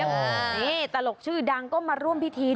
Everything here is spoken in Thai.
นี่ตลกชื่อดังก็มาร่วมพิธี